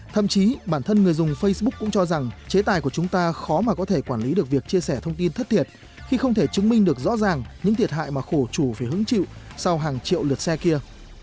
thậm chí bản thân người dùng facebook cũng cho rằng chế tài của chúng ta khó mà có thể quản lý được việc chia sẻ thông tin thất thiệt khi không thể chứng minh được rõ ràng những thiệt hại mà khổ chủ phải hứng chịu sau hàng triệu lượt xe kia